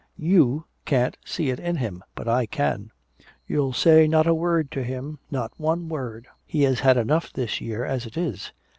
"You can't see it in him but I can!" "You'll say not a word to him, not one word! He has had enough this year as it is!"